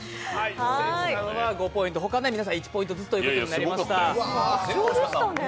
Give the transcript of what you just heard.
関さんは５ポイント、他は皆さん１ポイントずつとなりました。